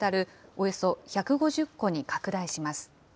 およそ１５０戸に拡大します。